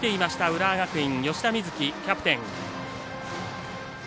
浦和学院、吉田瑞樹、キャプテン。